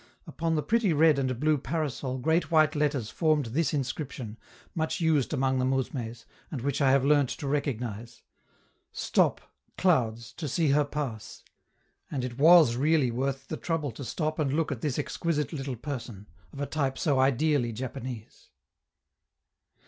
Upon the pretty red and blue parasol great white letters formed this inscription, much used among the mousmes, and which I have learned to recognize: 'Stop! clouds, to see her pass!' And it was really worth the trouble to stop and look at this exquisite little person, of a type so ideally Japanese.